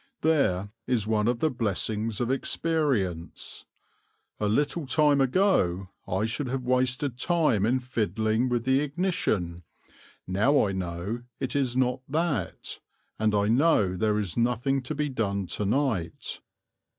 There is one of the blessings of experience. A little time ago I should have wasted time in fiddling with the ignition; now I know it is not that; and I know there is nothing to be done to night.